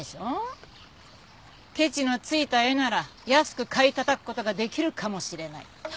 ケチのついた絵なら安く買いたたく事ができるかもしれない。